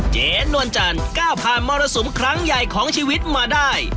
เจ๊นวลจันทร์ก้าวผ่านมรสุมครั้งใหญ่ของชีวิตมาได้